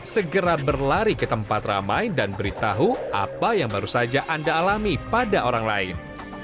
segera berlari ke tempat ramai dan beritahu apa yang baru saja anda alami pada orang lain